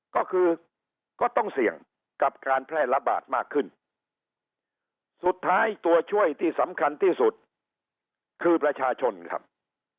ก็คือก็ต้องเสี่ยงกับการแพร่ระบาดมากขึ้นสุดท้ายตัวช่วยที่สำคัญที่สุดคือประชาชนครับ